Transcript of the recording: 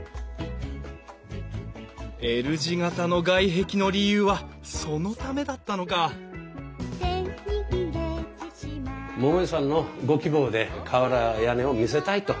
Ｌ字形の外壁の理由はそのためだったのか桃井さんのご希望で瓦屋根を見せたいと。